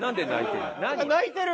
泣いてる！